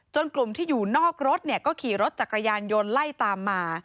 กลุ่มที่อยู่นอกรถก็ขี่รถจักรยานยนต์ไล่ตามมา